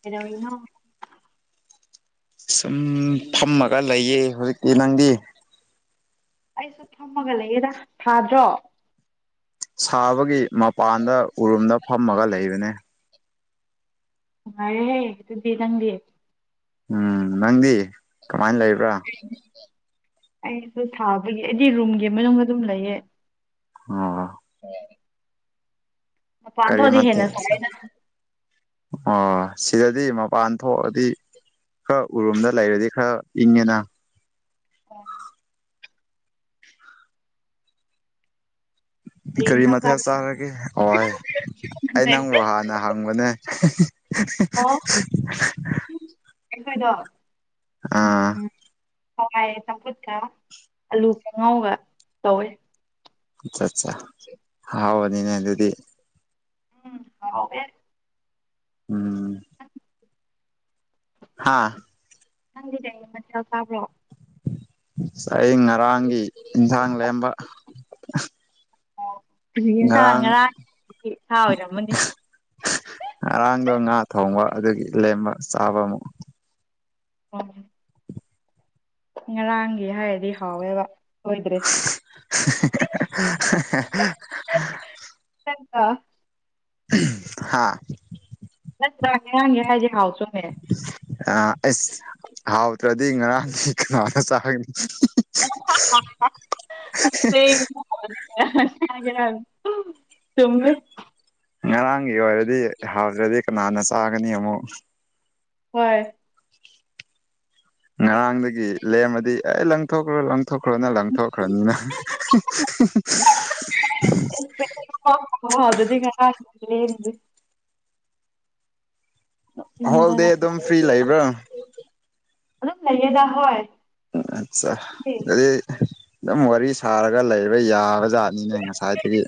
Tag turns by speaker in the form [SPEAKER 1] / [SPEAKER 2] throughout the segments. [SPEAKER 1] ꯀꯩꯗꯧꯔꯤꯅꯣ
[SPEAKER 2] ꯁꯨꯝ ꯐꯝꯃꯒ ꯂꯩꯌꯦ ꯍꯧꯖꯤꯛꯇꯤ ꯅꯪꯗꯤ
[SPEAKER 1] ꯑꯩꯁꯨ ꯐꯝꯃꯒ ꯂꯩꯌꯦꯗ ꯊꯥꯗ꯭ꯔꯣ
[SPEAKER 2] ꯁꯥꯕꯒꯤ ꯃꯄꯥꯟꯗ ꯎꯔꯨꯝꯗ ꯐꯝꯃꯒ ꯂꯩꯕꯅꯦ
[SPEAKER 1] ꯅꯨꯡꯉꯥꯏꯔꯦꯍꯦ ꯑꯗꯨꯗꯤ ꯅꯪꯗꯤ
[SPEAKER 2] ꯎꯝ ꯅꯪꯗꯤ ꯀꯃꯥꯏ ꯂꯩꯕ꯭ꯔꯥ
[SPEAKER 1] ꯑꯩꯁꯨ ꯁꯥꯕꯒꯤ ꯑꯩꯗꯤ ꯔꯨꯝꯒꯤ ꯃꯅꯨꯡꯗ ꯑꯗꯨꯝ ꯂꯩꯌꯦ
[SPEAKER 2] ꯑꯣ
[SPEAKER 1] ꯃꯄꯥꯟ
[SPEAKER 2] ꯀꯔꯤ
[SPEAKER 1] ꯊꯣꯛꯑꯗꯤ ꯍꯦꯟꯅ
[SPEAKER 2] ꯃꯊꯦꯜ
[SPEAKER 1] ꯁꯥꯏꯌꯦꯗ
[SPEAKER 2] ꯑꯣ ꯁꯤꯗꯗꯤ ꯃꯄꯥꯟ ꯊꯣꯛꯑꯗꯤ ꯈꯔ ꯎꯔꯨꯝꯗ ꯂꯩꯔꯗꯤ ꯈꯔ ꯏꯪꯉꯦꯅ
[SPEAKER 1] [inaudible]
[SPEAKER 2] ꯀꯔꯤ
[SPEAKER 1] ꯏꯟꯁꯥꯡ
[SPEAKER 2] ꯃꯊꯦꯜ
[SPEAKER 1] ꯆꯥꯕ꯭ꯔ
[SPEAKER 2] ꯆꯥꯔꯒꯦ ꯍꯋꯥꯏ ꯑꯩ ꯅꯪꯕꯨ
[SPEAKER 1] ꯅꯪꯗꯤ
[SPEAKER 2] ꯍꯥꯟꯅ ꯍꯪꯕꯅꯦ
[SPEAKER 1] ꯑꯣ
[SPEAKER 2] [unintelligible]
[SPEAKER 1] ꯑꯩꯈꯣꯏꯗꯣ
[SPEAKER 2] ꯑꯥ
[SPEAKER 1] ꯎꯝ ꯍꯋꯥꯏ ꯆꯝꯐꯨꯠꯀ ꯑꯂꯨꯁꯦ ꯉꯥꯎꯒ ꯇꯧꯋꯦ
[SPEAKER 2] ꯑꯆꯠꯆꯥ ꯑꯍꯥꯎꯕꯅꯤꯅꯦ ꯑꯗꯨꯗꯤ
[SPEAKER 1] ꯎꯝ ꯍꯥꯎꯋꯦ
[SPEAKER 2] ꯎꯝ ꯍꯥꯥ
[SPEAKER 1] ꯅꯪꯗꯤ ꯀꯔꯤ ꯃꯊꯦꯜ ꯆꯥꯕ꯭ꯔꯣ
[SPEAKER 2] ꯆꯥꯏꯌꯦ ꯉꯔꯥꯡꯒꯤ ꯏꯟꯖꯥꯡ ꯂꯦꯝꯕ
[SPEAKER 1] ꯀꯔꯤ ꯌꯦꯟꯁꯥꯡ
[SPEAKER 2] ꯉꯔꯥꯡ
[SPEAKER 1] ꯉꯔꯥꯡꯒꯤ ꯁꯥ ꯑꯣꯏꯔꯝꯃꯅꯤ
[SPEAKER 2] ꯉꯔꯥꯡꯗꯣ ꯉꯥ ꯊꯣꯡꯕ ꯑꯗꯨꯒꯤ ꯂꯦꯝꯕ ꯆꯥꯕ ꯑꯃꯨꯛ
[SPEAKER 1] ꯍꯣꯢ ꯉꯔꯥꯡꯒꯤ ꯍꯥꯏꯔꯗꯤ ꯍꯥꯎꯋꯦꯕ ꯁꯣꯢꯗ꯭ꯔꯦ
[SPEAKER 2] ꯍꯥꯥ
[SPEAKER 1] ꯅꯠꯇ꯭ꯔꯥ ꯉꯔꯥꯡꯒꯤ ꯍꯥꯏꯗꯤ ꯍꯥꯎꯇꯔꯣꯃꯦ
[SPEAKER 2] ꯑ ꯑꯁ ꯍꯥꯎꯗ꯭ꯔꯗꯤ ꯉꯔꯥꯡꯗꯤ ꯀꯅꯥꯅ ꯆꯥꯒꯅꯤ
[SPEAKER 1] [unintelligible] ꯆꯨꯝꯃꯦ
[SPEAKER 2] ꯉꯔꯥꯡꯒꯤ ꯑꯣꯏꯔꯗꯤ ꯍꯥꯎꯇ꯭ꯔꯗꯤ ꯀꯅꯥꯅ ꯆꯥꯒꯅꯤ ꯑꯃꯨꯛ
[SPEAKER 1] ꯍꯣꯏ
[SPEAKER 2] ꯉꯔꯥꯡꯗꯒꯤ ꯂꯦꯝꯃꯗꯤ ꯑꯦ ꯂꯪꯊꯣꯛꯈ꯭ꯔꯣ ꯂꯪꯊꯣꯛꯈ꯭ꯔꯣꯅ ꯂꯪꯊꯣꯛꯈ꯭ꯔꯅꯤꯅ ꯎ [inaudible]
[SPEAKER 1] [unintelligible] ꯅꯣꯛꯅꯤꯡꯉꯦꯗ
[SPEAKER 2] ꯍꯣꯜꯗꯦ
[SPEAKER 1] ꯅꯪ
[SPEAKER 2] ꯑꯗꯨꯝ ꯐ꯭ꯔꯤ ꯂꯩꯕ꯭ꯔꯥ
[SPEAKER 1] ꯑꯗꯨꯝ ꯂꯩꯌꯦꯗ ꯍꯣꯏ
[SPEAKER 2] ꯎ ꯑꯠꯆꯥ ꯑꯗꯨꯗꯤ ꯑꯗꯨꯝ ꯋꯥꯔꯤ ꯁꯥꯔꯒ ꯂꯩꯕ ꯌꯥꯕꯖꯥꯠꯅꯤꯅꯦ ꯉꯁꯥꯏ ꯉꯁꯥꯢꯗꯒꯤ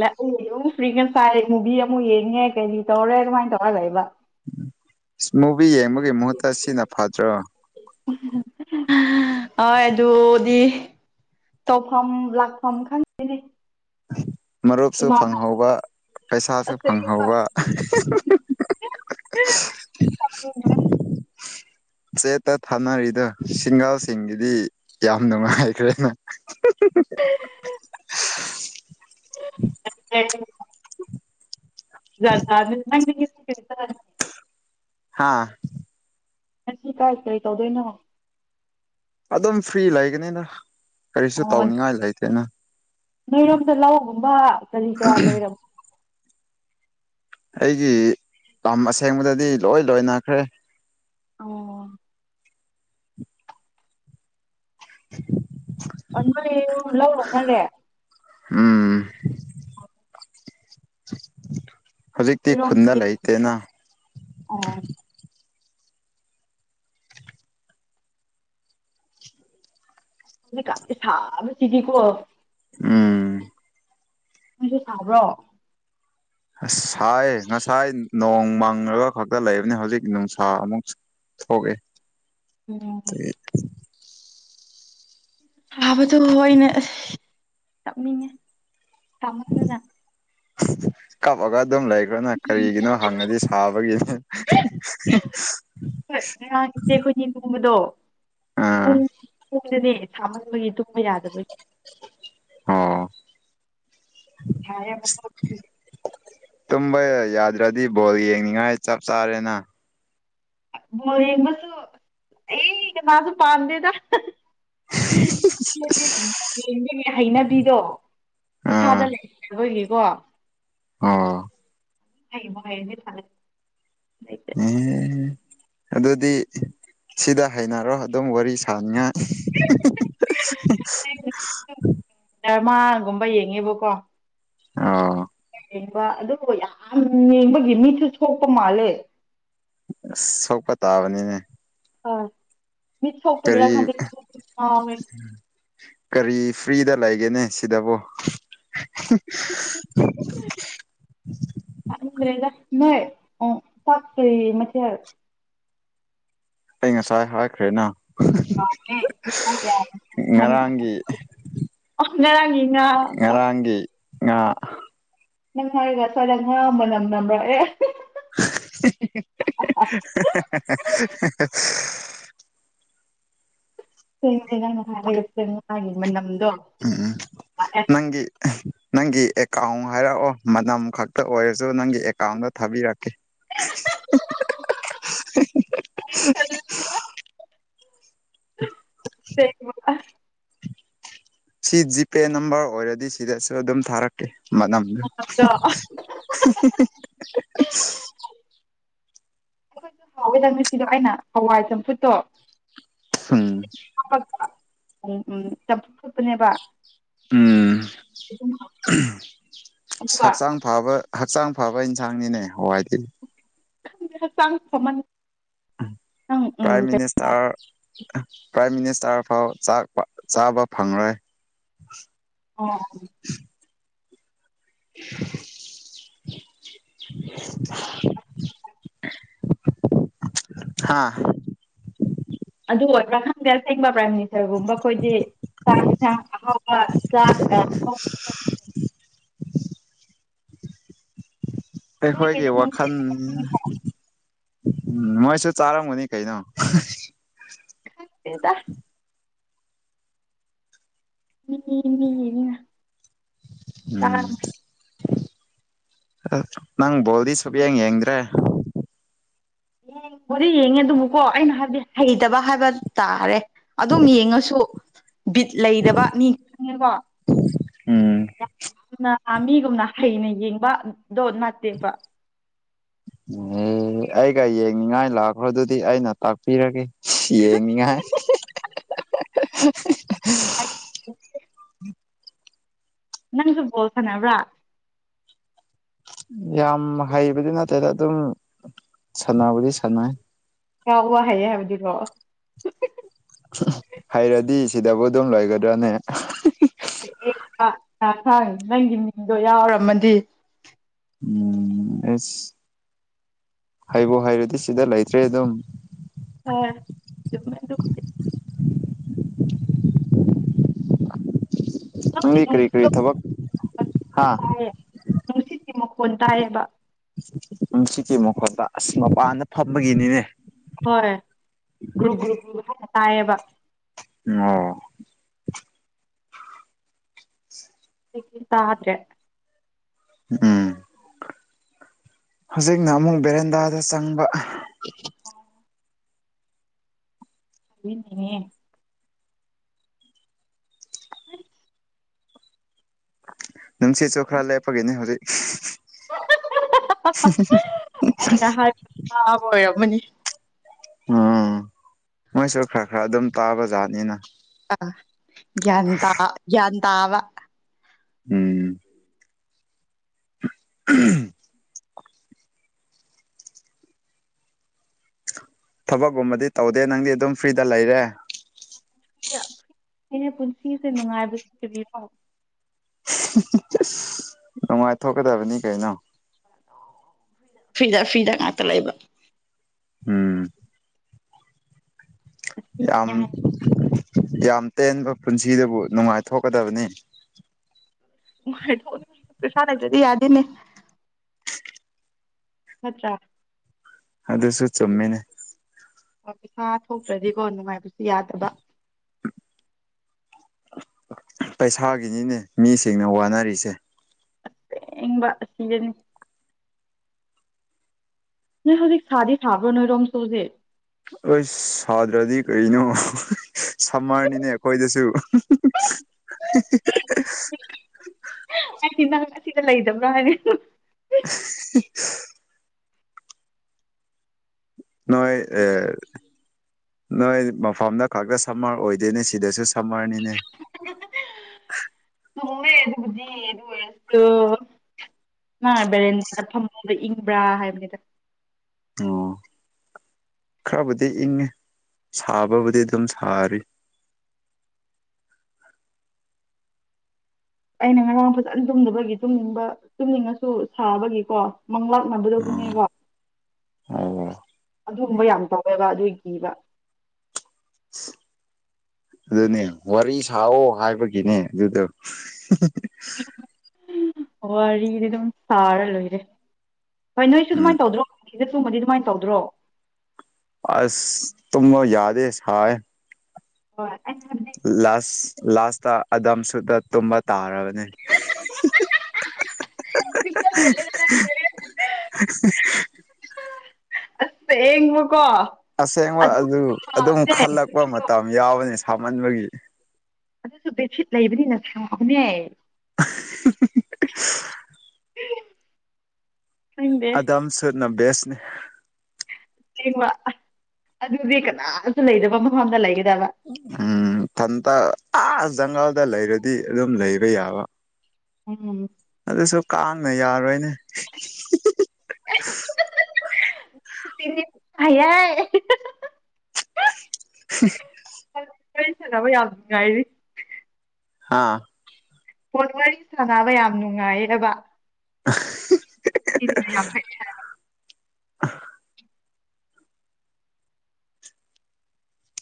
[SPEAKER 1] ꯂ ꯑꯩ ꯑꯗꯨꯝ ꯐ꯭ꯔꯤꯒ ꯆꯥꯏ ꯃꯨꯚꯤ ꯑꯃꯨꯛ ꯌꯦꯡꯉꯦ ꯀꯩꯔꯤ ꯇꯧꯔꯦ ꯑꯗꯨꯃꯥꯏꯅ ꯇꯧꯔꯒ ꯂꯩꯕ
[SPEAKER 2] ꯏꯁ ꯃꯨꯚꯤ ꯌꯦꯡꯕꯒꯤ ꯃꯍꯨꯠꯇ ꯁꯤꯅ ꯐꯠꯇ꯭ꯔꯣ
[SPEAKER 1] ꯍꯣꯏ ꯑꯗꯨꯗꯤ ꯇꯧꯐꯝ ꯂꯥꯛꯐꯝ ꯈꯪꯗꯦꯅꯦ
[SPEAKER 2] ꯃꯔꯨꯞꯁꯨ
[SPEAKER 1] ꯏꯃꯥꯅ
[SPEAKER 2] ꯐꯪꯍꯧꯕ ꯄꯩꯁꯥꯁꯨ ꯐꯪꯍꯧꯕ
[SPEAKER 1] ꯆ [unintelligible]
[SPEAKER 2] ꯆꯦꯠꯇ ꯊꯥꯅꯔꯤꯗꯣ ꯁꯤꯡꯒꯥꯜꯁꯤꯡꯒꯤꯗꯤ ꯌꯥꯝ ꯅꯨꯡꯉꯥꯏꯈ꯭ꯔꯦꯅ [unintelligible]
[SPEAKER 1] ꯑ [unintelligible] ꯖꯥꯠ ꯖꯥꯠꯅꯤ ꯀꯥꯢꯗꯒꯤ
[SPEAKER 2] ꯍꯥꯥ
[SPEAKER 1] ꯉꯁꯤ ꯀꯥꯏ ꯀꯔꯤ ꯇꯧꯗꯣꯏꯅꯣ
[SPEAKER 2] ꯑꯗꯨꯝ ꯐ꯭ꯔꯤ ꯂꯩꯒꯅꯤꯗ ꯀꯔꯤꯁꯨ
[SPEAKER 1] ꯑꯣ
[SPEAKER 2] ꯇꯧꯅꯤꯡꯉꯥꯏ ꯂꯩꯇꯦꯅ
[SPEAKER 1] ꯅꯣꯏꯔꯣꯝꯗ ꯂꯧꯒꯨꯝꯕ ꯀꯔꯤ ꯀꯔꯥ ꯂꯣꯏꯔꯕ
[SPEAKER 2] ꯑꯩꯒꯤ ꯂꯝ ꯑꯁꯦꯡꯕꯗꯗꯤ ꯂꯣꯏ ꯂꯣꯏꯅꯈ꯭ꯔꯦ
[SPEAKER 1] ꯑꯣ
[SPEAKER 2] [inaudible]
[SPEAKER 1] ꯅꯣꯏ ꯂꯧ ꯂꯣꯢꯅꯔꯦꯅꯦ
[SPEAKER 2] ꯎꯝ ꯍꯧꯖꯤꯛꯇꯤ ꯈꯨꯟꯗ
[SPEAKER 1] [unintelligible]
[SPEAKER 2] ꯂꯩꯇꯦꯅ
[SPEAKER 1] ꯑꯣ ꯍꯧꯖꯤꯛꯒꯥꯟꯗꯤ ꯁꯥꯕꯁꯤꯗꯤꯒꯣ
[SPEAKER 2] ꯎꯝ
[SPEAKER 1] ꯅꯣꯏꯁꯨ ꯁꯥꯕ꯭ꯔꯣ
[SPEAKER 2] ꯑꯁ ꯁꯥꯢ ꯉꯁꯥꯏ ꯅꯣꯡ ꯃꯥꯡ ꯃꯪꯉ ꯈꯛꯇ ꯂꯩꯕꯅꯤ ꯍꯧꯖꯤꯛꯇꯤ ꯅꯨꯡꯁꯥ ꯑꯃꯨꯛ ꯊꯣꯛꯑꯦ
[SPEAKER 1] ꯅꯤꯑꯣꯝ ꯊꯥꯕꯗꯣ ꯑꯩꯅ ꯑꯁ ꯀꯞꯅꯤꯡꯉꯦ ꯁꯥꯃꯟꯗꯅ
[SPEAKER 2] ꯀꯞꯕꯒ ꯗꯨꯝ ꯂꯩ ꯔꯅ ꯀꯔꯤꯒꯤꯅꯣ ꯍꯪꯉꯗꯤ ꯁꯥꯕꯒꯤꯅꯤ
[SPEAKER 1] ꯍꯣꯏ ꯉꯔꯥꯡ ꯏꯆꯦ ꯑꯩꯈꯣꯏꯅꯤ ꯇꯨꯝꯕꯗꯣ
[SPEAKER 2] ꯑꯥ
[SPEAKER 1] ꯄꯨꯡ ꯑꯩꯗꯅꯦ ꯁꯥꯃꯟꯕꯒꯤ ꯇꯨꯝꯕ ꯌꯥꯗꯕꯩ
[SPEAKER 2] ꯑꯣ
[SPEAKER 1] ꯁꯥꯏꯌꯦ [unintelligible]
[SPEAKER 2] ꯇꯨꯝꯕ ꯌꯥꯗ꯭ꯔꯗꯤ ꯕꯣꯜ ꯌꯦꯡꯅꯤꯡꯉꯥꯏ ꯆꯞ ꯆꯥꯔꯦꯅ
[SPEAKER 1] ꯕꯣꯜ ꯌꯦꯡꯕꯁꯨ ꯑꯩ ꯀꯅꯥꯁꯨ ꯄꯥꯝꯗꯦꯗ [unintelligible] ꯍꯩꯅꯕꯤꯗꯣ
[SPEAKER 2] ꯑꯥ
[SPEAKER 1] ꯏꯁꯥꯗ ꯂꯩꯈ꯭ꯔꯕꯒꯤꯀꯣ
[SPEAKER 2] ꯑꯣ
[SPEAKER 1] ꯍꯩꯕꯨ ꯍꯩꯔꯗꯤ ꯁꯥꯟꯅꯩ
[SPEAKER 2] ꯑꯦ ꯑꯗꯨꯗꯤ ꯁꯤꯗ ꯍꯩꯅꯔꯣ ꯑꯗꯨꯝ ꯋꯥꯔꯤ ꯁꯥꯅꯤꯡꯉꯥꯏ [unintelligible]
[SPEAKER 1] ꯗ꯭ꯔꯃꯥꯒꯨꯝꯕ ꯌꯦꯡꯉꯦꯕꯀꯣ
[SPEAKER 2] ꯑꯣ
[SPEAKER 1] ꯌꯦꯡꯕ ꯑꯗꯨꯕꯨ ꯌꯥꯝ ꯌꯦꯡꯕꯒꯤ ꯃꯤꯠꯁꯨ ꯁꯣꯛꯄ ꯃꯥꯜꯂꯦ
[SPEAKER 2] ꯑꯁ ꯁꯣꯛꯄ ꯇꯥꯕꯅꯤꯅꯦ
[SPEAKER 1] ꯑꯥ ꯃꯤꯠ ꯁꯣꯛꯄꯒꯤꯔ
[SPEAKER 2] ꯀꯔꯤ
[SPEAKER 1] ꯈꯪꯗꯦ [unintelligible]
[SPEAKER 2] ꯀꯔꯤ ꯐ꯭ꯔꯤꯗ ꯂꯩꯒꯦꯅꯦ ꯁꯤꯗꯕꯣ
[SPEAKER 1] ꯈꯪꯗ꯭ꯔꯦꯗ ꯅꯣꯏ ꯑꯣ ꯆꯥꯛ ꯀꯔꯤ ꯃꯊꯦꯜ
[SPEAKER 2] ꯑꯩ ꯉꯁꯥꯏ ꯍꯥꯏꯈ꯭ꯔꯦꯅ
[SPEAKER 1] ꯀꯥꯎꯒ꯭ꯔꯦ ꯀꯣꯛ
[SPEAKER 2] ꯉꯔꯥꯡꯒꯤ
[SPEAKER 1] [unintelligible] ꯑꯣ ꯉꯔꯥꯡꯒꯤ ꯉꯥꯇꯣ
[SPEAKER 2] ꯉꯔꯥꯡꯒꯤ ꯉꯥ
[SPEAKER 1] ꯅꯪ ꯍꯥꯏꯔꯒ ꯁ꯭ꯋꯥꯏꯗ ꯉꯥ ꯃꯅꯝ ꯅꯝꯔꯛꯑꯦ
[SPEAKER 2] [inaudible] [unintelligible]
[SPEAKER 1] [unintelligible] ꯁꯤꯗ ꯉꯥꯒꯤ ꯃꯅꯝꯗꯣ
[SPEAKER 2] ꯎꯝ ꯎꯝ
[SPEAKER 1] ꯂꯥꯛꯑꯦ
[SPEAKER 2] ꯅꯪꯒꯤ ꯅꯪꯒꯤ ꯑꯦꯀꯥ꯭ꯎꯟ ꯍꯥꯏꯔꯛꯑꯣ ꯃꯅꯝ ꯈꯛꯇ ꯑꯣꯏꯔꯁꯨ ꯅꯪꯒꯤ ꯑꯦꯀꯥ꯭ꯎꯟꯗ ꯊꯥꯕꯤꯔꯛꯀꯦ
[SPEAKER 1] [unintelligible]
[SPEAKER 2] ꯁꯤ ꯖꯤꯄꯦ ꯅꯝꯕ꯭ꯔ ꯑꯣꯏꯔꯗꯤ ꯁꯤꯗꯁꯨ ꯑꯗꯨꯝ ꯊꯥꯔꯛꯀꯦ ꯃꯅꯝꯗꯨ [unintelligible]
[SPEAKER 1] ꯍꯥꯎꯋꯦ ꯅꯪꯁꯨ ꯁꯤꯗ ꯑꯩꯅ ꯍꯋꯥꯏ ꯆꯝꯐꯨꯠꯇꯣ
[SPEAKER 2] ꯎꯝ
[SPEAKER 1] ꯍꯥꯞꯄꯛꯄ ꯎꯝ ꯎꯝ ꯆꯝꯐꯨꯠ ꯐꯨꯠꯄꯅꯦꯕ
[SPEAKER 2] ꯎꯝ
[SPEAKER 1] ꯑꯗꯨꯒ
[SPEAKER 2] ꯁꯛꯆꯥꯡ ꯐꯕ ꯍꯛꯆꯥꯡ ꯐꯕ ꯏꯟꯁꯥꯡꯅꯤꯅꯦ ꯍꯋꯥꯏꯗꯤ
[SPEAKER 1] ꯈꯪꯗꯦ ꯍꯛꯆꯥꯡ ꯐꯃꯟ
[SPEAKER 2] ꯎꯝ
[SPEAKER 1] ꯅꯪ ꯎꯝ
[SPEAKER 2] ꯄ꯭ꯔꯥꯏ ꯃꯤꯅꯤꯁ ꯇ꯭ꯔ ꯄ꯭ꯔꯥꯏꯝ ꯃꯤꯅꯤꯁꯇ꯭ꯔꯐꯥꯎ ꯆꯥꯛ ꯄꯥꯛ ꯆꯥꯕ ꯐꯪꯉꯔꯣꯏ
[SPEAKER 1] ꯑꯣ [inaudible]
[SPEAKER 2] ꯍꯥꯥ
[SPEAKER 1] ꯑꯗꯨ ꯑꯣꯏꯕ꯭ꯔꯥ ꯈꯪꯗꯦ ꯑꯁꯦꯡꯕ ꯄ꯭ꯔꯥꯏꯝ ꯃꯤꯅꯤꯁꯇ꯭ꯔꯒꯨꯝꯕ ꯑꯈꯣꯏꯗꯤ ꯆꯥꯛ ꯏꯟꯁꯥꯡ ꯑꯍꯥꯎꯕ ꯆꯥꯗ ꯑ
[SPEAKER 2] [inaudible]
[SPEAKER 1] [unintelligible]
[SPEAKER 2] ꯑꯩꯈꯣꯏꯒꯤ
[SPEAKER 1] ꯅꯣꯏꯒꯤꯁꯦ
[SPEAKER 2] ꯋꯥꯈꯟ
[SPEAKER 1] ꯅꯨꯡꯁꯤꯠ ꯈꯪꯗꯦꯗ
[SPEAKER 2] ꯎꯝ ꯃꯣꯏꯁꯨ ꯆꯥꯔꯝꯒꯅꯤ ꯀꯩꯅꯣ
[SPEAKER 1] ꯈꯪꯗꯦꯗ ꯃꯤ ꯃꯤꯒꯤꯅꯤꯅ
[SPEAKER 2] ꯎꯝ ꯑꯛ ꯅꯪ ꯕꯣꯜꯗꯤ ꯁꯨꯞꯌꯦꯡ ꯌꯦꯡꯗ꯭ꯔꯦ
[SPEAKER 1] ꯌꯦꯡ ꯕꯣꯗꯤ ꯌꯦꯡꯉꯦ ꯑꯗꯨꯕꯨꯀꯣ ꯑꯩꯅ ꯍꯥꯏꯕꯗꯤ ꯍꯩꯇꯕ ꯍꯥꯏꯕ ꯇꯥꯔꯦ ꯑꯗꯨꯝ ꯌꯦꯡꯉꯁꯨ ꯕꯤꯠ ꯂꯩꯗꯕ ꯃꯤ ꯈꯪꯉꯦꯀꯣ
[SPEAKER 2] ꯎꯝ
[SPEAKER 1] ꯌꯥꯝꯅ ꯃꯤꯒꯨꯝꯅ ꯍꯩꯅ ꯌꯦꯡꯕꯗꯣ ꯅꯠꯇꯦꯕ
[SPEAKER 2] ꯏꯡꯍꯦ ꯑꯩꯒ ꯌꯦꯡꯅꯤꯡꯉꯥꯏ ꯂꯥꯛꯈ꯭ꯔꯣ ꯑꯗꯨꯗꯤ ꯑꯩꯅ ꯇꯥꯛꯄꯤꯔꯒꯦ ꯌꯦꯡꯅꯤꯡꯉꯥꯏ
[SPEAKER 1] [unintelligible] ꯅꯪꯁꯨ ꯕꯣꯜ ꯁꯥꯟꯅꯕ꯭ꯔꯥ
[SPEAKER 2] ꯌꯥꯝ ꯍꯩꯕꯗꯤ ꯅꯠꯇꯦꯗ ꯑꯗꯨꯝ ꯁꯥꯟꯅꯕꯗꯤ ꯁꯥꯟꯅꯩ
[SPEAKER 1] ꯀꯥꯎꯕ ꯍꯩꯌꯦ ꯍꯥꯏꯕꯗꯤꯀꯣ
[SPEAKER 2] ꯍꯩꯔꯗꯤ ꯁꯤꯗꯕꯨ ꯑꯗꯨꯝ ꯂꯣꯏꯒꯗ꯭ꯔꯣꯅꯦ
[SPEAKER 1] [unintelligible] ꯅꯪꯒꯤ ꯃꯤꯡꯗꯣ ꯌꯥꯎꯔꯝꯃꯗꯤ
[SPEAKER 2] ꯎꯝ ꯑꯦꯁ ꯍꯩꯕꯨ ꯍꯩꯔꯗꯤ ꯁꯤꯗ ꯂꯩꯇ꯭ꯔꯦ ꯑꯗꯨꯝ
[SPEAKER 1] ꯍꯣꯏ ꯗꯨꯃꯥꯏ ꯗꯨꯝ ꯅꯪꯒꯤ
[SPEAKER 2] ꯅꯪꯗꯤ ꯀꯔꯤ ꯀꯔꯤ
[SPEAKER 1] ꯅꯨꯡꯁꯤꯕ
[SPEAKER 2] ꯊꯕꯛ
[SPEAKER 1] ꯃꯈꯣꯟ
[SPEAKER 2] ꯍꯥꯥ
[SPEAKER 1] ꯇꯥꯏꯌꯦ ꯅꯨꯡꯁꯤꯠꯀꯤ ꯃꯈꯣꯟ‌ ꯇꯥꯏꯑꯦꯕ
[SPEAKER 2] ꯅꯨꯡꯁꯤꯠꯀꯤ ꯃꯈꯣꯠ ꯇꯥ ꯑꯁ ꯃꯄꯥꯟꯗ ꯐꯝꯕꯒꯤꯅꯤꯅꯦ
[SPEAKER 1] ꯍꯣꯏ ꯒ꯭ꯔꯨꯞ ꯒ꯭ꯔꯨ ꯒ꯭ꯔꯨ ꯒ꯭ꯔꯨ ꯇꯥꯏꯑꯦꯕ
[SPEAKER 2] ꯑꯣ
[SPEAKER 1] ꯑꯩꯀꯤꯟ ꯇꯥꯗ꯭ꯔꯦ
[SPEAKER 2] ꯎꯝ ꯍꯧꯖꯤꯛꯅ ꯑꯃꯨꯛ ꯕꯦꯔꯦꯟꯗꯥꯗ ꯆꯪꯕ
[SPEAKER 1] ꯑꯣ ꯍꯨꯏꯅꯦꯍꯦ
[SPEAKER 2] ꯅꯨꯡꯁꯤꯠꯁꯨ ꯈꯔ ꯂꯦꯞꯄꯒꯤꯅꯦ ꯍꯧꯖꯤꯛ
[SPEAKER 1] [unintelligible] ꯑꯣꯏꯔꯃꯅꯤ
[SPEAKER 2] ꯑ ꯃꯣꯏꯁꯨ ꯈꯔ ꯈꯔ ꯑꯗꯨꯝ ꯇꯥꯕꯖꯥꯠꯅꯤꯅ
[SPEAKER 1] ꯑ ꯒ꯭ꯌꯥꯟ ꯇꯥ ꯒ꯭ꯌꯥꯟ ꯇꯥꯕ
[SPEAKER 2] ꯎꯝ [unintelligible] ꯊꯕꯛꯀꯨꯝꯕꯗꯤ ꯇꯧꯗꯦ ꯅꯪꯗꯤ ꯑꯗꯨꯝ ꯐ꯭ꯔꯤꯗ ꯂꯩꯔꯦ
[SPEAKER 1] ꯑꯩꯅ ꯄꯨꯟꯁꯤꯁꯦ ꯅꯨꯡꯉꯥꯏꯕꯁꯦ ꯀꯔꯤꯔꯣ
[SPEAKER 2] ꯅꯨꯡꯉꯥꯏꯊꯣꯛꯀꯗꯕꯅꯤ ꯀꯩꯅꯣ
[SPEAKER 1] ꯐ꯭ꯔꯤꯗ ꯐ꯭ꯔꯤꯗ ꯉꯥꯛꯇ ꯂꯩꯕ
[SPEAKER 2] ꯎꯝ ꯌꯥꯝ
[SPEAKER 1] ꯑꯁꯤꯅꯦ ꯍꯥꯏꯅ
[SPEAKER 2] ꯌꯥꯝ ꯇꯦꯟꯕ ꯄꯨꯟꯁꯤꯗꯕꯨ ꯅꯨꯡꯉꯥꯏꯊꯣꯛꯀꯗꯕꯅꯤ
[SPEAKER 1] ꯄꯩꯁꯥ ꯂꯩꯇꯔꯗꯤ ꯌꯥꯗꯦꯅꯦ ꯅꯠꯇꯔꯥ
[SPEAKER 2] ꯑꯗꯨꯁꯨ ꯆꯨꯝꯃꯦꯅꯦ
[SPEAKER 1] ꯄꯩꯁꯥ ꯊꯣꯛꯇ꯭ꯔꯗꯤꯀꯣ ꯅꯨꯡꯉꯥꯏꯕꯁꯨ ꯌꯥꯗꯕ
[SPEAKER 2] ꯄꯩꯁꯥꯒꯤꯅꯤꯅꯦ ꯃꯤꯁꯤꯡꯅ ꯋꯥꯅꯔꯤꯁꯦ
[SPEAKER 1] ꯑꯁꯦꯡꯕ ꯑꯁꯤꯗꯅꯤ ꯅꯣꯏ ꯍꯧꯖꯤꯛ ꯁꯥꯗꯤ ꯁꯥꯕ꯭ꯔꯣ ꯅꯣꯏ ꯔꯣꯝꯁꯨ ꯍꯧꯖꯤꯛ
[SPEAKER 2] ꯎꯏꯁ ꯁꯥꯗ꯭ꯔꯗꯤ ꯀꯩꯅꯣ ꯁꯝꯃꯔꯅꯤꯅꯦ ꯑꯩꯈꯣꯏꯗꯁꯨ [inaudible]
[SPEAKER 1] ꯍꯥꯏꯗꯤ ꯅꯪ ꯉꯁꯤꯗ ꯂꯩꯗꯕ꯭ꯔꯣ ꯍꯥꯏꯔ
[SPEAKER 2] [unintelligible] ꯅꯣꯏ ꯑ ꯅꯣꯏ ꯃꯐꯝꯗ ꯈꯛꯇ ꯁꯝꯃꯔ ꯑꯣꯏꯗꯦꯅꯦ ꯁꯤꯗꯁꯨ ꯁꯝꯃꯔꯅꯤꯅꯦ
[SPEAKER 1] ꯆꯨꯝꯃꯦ ꯑꯗꯨꯕꯨꯗꯤ ꯑꯗꯨ ꯑꯣꯏꯔꯁꯨ ꯃꯥ ꯕꯦꯔꯦꯟꯗ ꯐꯝꯕꯗ ꯏꯪꯕ꯭ꯔꯥ ꯍꯥꯏꯕꯅꯤꯗ
[SPEAKER 2] ꯑꯣ ꯈꯔꯕꯨꯗꯤ ꯏꯪꯉꯤ ꯁꯥꯕꯕꯨꯗꯤ ꯑꯗꯨꯝ ꯁꯥꯔꯤ
[SPEAKER 1] ꯑꯩꯅ ꯉꯔꯥꯡ ꯐꯖꯅ ꯇꯨꯝꯗꯕꯒꯤ ꯇꯨꯝꯅꯤꯡꯕ ꯇꯨꯝꯅꯤꯡꯉꯁꯨ ꯁꯥꯕꯒꯤꯀꯣ ꯃꯪꯪꯂꯥꯛꯅꯕꯗꯣ ꯑꯗꯨꯅꯤꯕ
[SPEAKER 2] ꯍꯣꯏꯅꯦ
[SPEAKER 1] ꯑꯗꯨꯒꯨꯝꯕ ꯌꯥꯝ ꯇꯧꯋꯦꯕ ꯑꯗꯨꯏ ꯀꯤꯕ
[SPEAKER 2] ꯑꯗꯨꯅꯦ ꯋꯥꯔꯤ ꯁꯥꯑꯣ ꯍꯥꯏꯕꯒꯤꯅꯦ ꯑꯗꯨꯗꯣ
[SPEAKER 1] ꯋꯥꯔꯤꯗꯤ ꯑꯗꯨꯝ ꯁꯥꯔ ꯂꯣꯏꯔꯦ ꯍꯣꯏ ꯅꯣꯏꯁꯨ
[SPEAKER 2] ꯎꯝ
[SPEAKER 1] ꯑꯗꯨꯃꯥꯏꯅ ꯇꯧꯗ꯭ꯔꯣ ꯁꯤꯗ ꯊꯨꯝꯕꯗꯤ ꯑꯗꯨꯃꯥꯏꯅ ꯇꯧꯗ꯭ꯔꯣ
[SPEAKER 2] ꯑꯁ ꯇꯨꯨꯝꯕ ꯌꯥꯗꯦ ꯁꯥꯏ
[SPEAKER 1] ꯍꯣꯏ
[SPEAKER 2] ꯂꯥꯁ ꯂꯥꯁꯇ ꯑꯗꯝꯁꯨꯗ ꯇꯨꯝꯕ ꯇꯥꯔꯕꯅꯤ
[SPEAKER 1] [unintelligible]
[SPEAKER 2] [unintelligible]
[SPEAKER 1] ꯑꯁꯦꯡꯕꯀꯣ
[SPEAKER 2] ꯑꯁꯦꯡꯕ ꯑꯗꯨ ꯑꯗꯨꯝ ꯈꯜꯂꯛꯄ ꯃꯇꯝ ꯌꯥꯎꯕꯅꯤ ꯁꯥꯃꯟꯕꯒꯤ
[SPEAKER 1] ꯑꯗꯨꯁꯨ ꯕꯦꯗꯁꯤꯠ ꯂꯩꯕꯅꯤꯅ [unintelligible]
[SPEAKER 2] [unintelligible]
[SPEAKER 1] ꯈꯪꯗꯦ
[SPEAKER 2] ꯅꯝ ꯁꯨꯠꯅ ꯕꯦꯁꯅꯦ
[SPEAKER 1] ꯁꯦꯡꯕ ꯑꯗꯨꯗꯤ ꯀꯅꯥꯝꯇ ꯂꯩꯗꯕ ꯃꯐꯝꯗ ꯂꯩꯒꯗꯕ
[SPEAKER 2] ꯎꯝ ꯊꯟꯇ ꯑ ꯖꯪꯒꯜꯗ ꯂꯩꯔꯗꯤ ꯑꯗꯨꯝ ꯂꯩꯕ ꯌꯥꯕ
[SPEAKER 1] ꯎꯝ
[SPEAKER 2] ꯑꯗꯨꯁꯨ ꯀꯥꯡꯅ ꯌꯥꯔꯣꯏꯅꯦ
[SPEAKER 1] ꯍꯩꯌꯦ ꯋꯥꯔꯤ ꯁꯅꯕ ꯌꯥꯝ ꯅꯨꯡꯉꯥꯏꯔꯤ
[SPEAKER 2] ꯍꯥꯥ
[SPEAKER 1] ꯐꯣꯟ ꯋꯥꯔꯤ ꯁꯥꯟꯅꯕ ꯌꯥꯝ ꯅꯨꯡꯉꯥꯏꯌꯦꯕ
[SPEAKER 2] [unintelligible]
[SPEAKER 1] [unintelligible]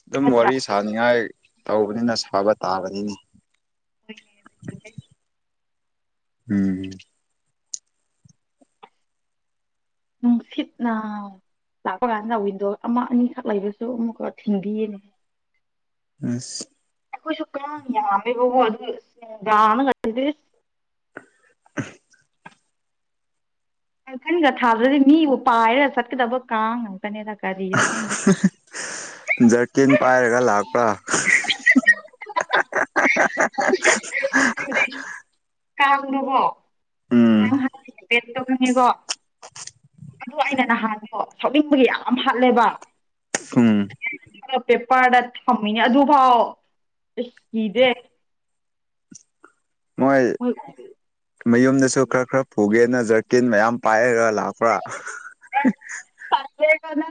[SPEAKER 2] ꯑꯗꯨꯝ
[SPEAKER 1] ꯅꯠꯇ꯭ꯔꯥ
[SPEAKER 2] ꯋꯥꯔꯤ ꯁꯥꯅꯤꯉꯥꯏ ꯇꯧꯕꯅꯤꯅ ꯁꯥꯕ ꯇꯥꯕꯅꯤꯅꯦ
[SPEAKER 1] [unintelligible]
[SPEAKER 2] ꯎꯝ
[SPEAKER 1] ꯅꯨꯡꯁꯤꯠꯅ ꯂꯥꯛꯄ ꯀꯥꯟꯗ ꯋꯤꯟꯗꯣ ꯑꯃ ꯑꯅꯤꯈꯛ ꯂꯩꯕꯁꯨ ꯑꯃꯨꯛꯀ ꯊꯤꯟꯕꯤꯌꯦꯅ
[SPEAKER 2] ꯑꯁ
[SPEAKER 1] ꯈꯣꯏꯁꯨ ꯉꯃꯦꯕꯕꯣ ꯑ [unintelligible]
[SPEAKER 2] [unintelligible]
[SPEAKER 1] ꯀꯥꯡꯈꯟꯒ ꯊꯥꯗ꯭ꯔꯗꯤ ꯃꯤꯕꯨ ꯄꯥꯏꯔꯒ ꯆꯠꯀꯗꯕ ꯀꯥꯡ ꯀꯅꯦꯔ ꯀꯥꯔꯤꯔ ꯈꯪꯁꯦ
[SPEAKER 2] ꯖꯔꯀꯤꯟ ꯄꯥꯏꯔꯒ ꯂꯥꯛꯄ꯭ꯔꯥ
[SPEAKER 1] ꯀꯥꯡꯗꯕꯣ
[SPEAKER 2] ꯎꯝ
[SPEAKER 1] [unintelligible] ꯑꯗꯨ ꯑꯩꯅ ꯅꯍꯥꯟꯗꯣ ꯁꯣꯛꯅꯤꯡꯕꯒꯤ ꯌꯥꯝ ꯍꯥꯠꯂꯦꯕ
[SPEAKER 2] ꯎꯝ
[SPEAKER 1] ꯄꯦꯄꯔꯗ ꯊꯝꯃꯤꯅꯦ ꯑꯗꯨꯐꯥꯎ ꯀꯤꯗ꯭ꯔꯦ
[SPEAKER 2] ꯃꯣꯏ ꯃꯌꯨꯝꯗꯁꯨ ꯈꯔ ꯈꯔ ꯄꯨꯒꯦꯅ ꯖꯔꯀꯤꯟ ꯃꯌꯥꯝ ꯄꯥꯏꯔꯒ ꯂꯥꯛꯄ꯭ꯔꯥ [unintelligible]
[SPEAKER 1] ꯁꯥꯇꯦ ꯀꯅ